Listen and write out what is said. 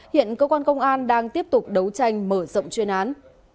hiện cơ quan công an đang tiếp tục đấu tranh mở rộng chuyên án